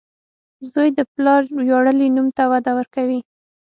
• زوی د پلار ویاړلی نوم ته وده ورکوي.